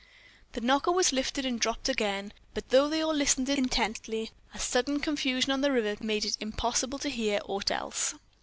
The knocker was lifted and dropped again, but though they all listened intently, a sudden confusion on the river made it impossible to hear aught else.